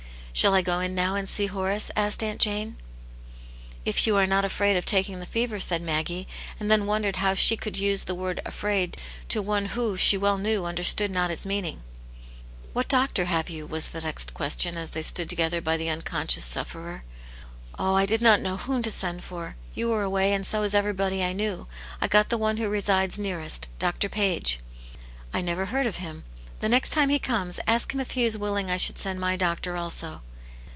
" Shall I go in now and see Horace ?" asked Aunt Jane. " If you are not afraid of taking the fever," said Maggie, and then wondered how she could use the word "afraid" to one who, she well knew, understood not its meaning. " What doctor have you?" was the next question as they stood together by the unconscious sufferer. " Oh, I did not know whom to send for ; you were away, and so was everybody I knew ; I got the one who resides nearest, Dr. Page." " I never heard of him. The next time he come^ ask him if he is willing I should send my doctor also."